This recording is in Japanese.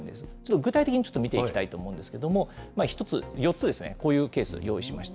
具体的にちょっと見ていきたいと思うんですけれども、４つですね、こういうケースを用意しました。